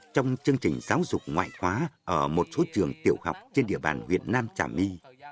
trong chương trình giáo dục ngoại hóa ở một số trường tiểu học trên địa bàn nguyễn nam trả my